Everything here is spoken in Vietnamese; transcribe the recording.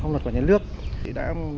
công luật và nhân lước thì đã